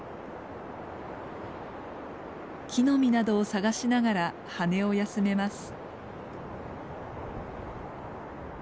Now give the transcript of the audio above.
木の実などを探しながら羽を休めます。